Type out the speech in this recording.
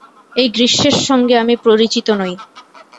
এই গ্রীষ্মের সঙ্গে আমি পরিচিত নই।